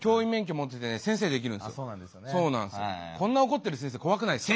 こんな怒ってる先生怖くないですか？